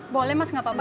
boleh mas gak apa apa